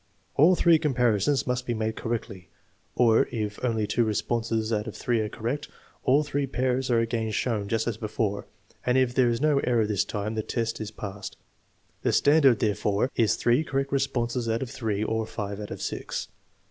All three comparisons must be made corectly; or if only two responses out of three are correct, all three pairs are again shown, just as before, and if there is no error this time, the test is passed. The standard, therefore, is three correct responses out of three, or five out of six.